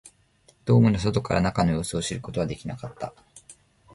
ドームの外から中の様子を知ることはできなかった